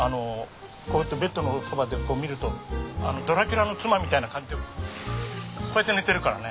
こうやってベッドのそばでこう見るとドラキュラの妻みたいな感じでこうやって寝てるからね。